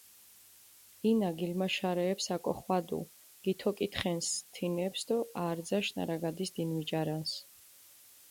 ინა გილმაშარეეფს აკოხვადუ, გითოკითხენს თინეფს დო არძაშ ნარაგადის დინმიჭარანს.